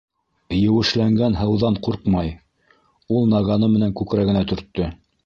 Еүешләнгән һыуҙан ҡурҡмай, - ул наганы менән күкрәгенә төрттө.